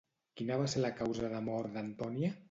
Quina va ser la causa de la mort d'Antònia?